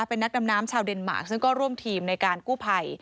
เป็นนักดำน้ำชาวเดนมาร์คซึ่งก็ร่วมทีมในการกู้ภัย